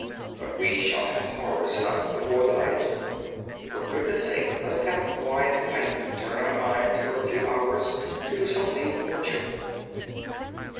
But we shall have horrors enough before the night is over; for goodness' sake let us have a quiet pipe and turn our minds for a few hours to something more cheerful."